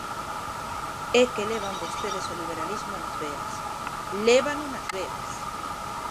É que levan vostedes o liberalismo nas veas, ¡lévano nas veas!